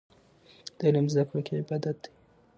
د علم زده کړه عبادت دی.